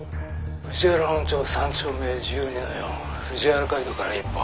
「藤原本町３丁目１２の４藤原街道から１本入った路地裏です」。